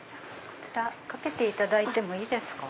こちら掛けていただいてもいいですか。